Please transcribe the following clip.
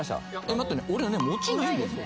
待ってね俺はねいないですね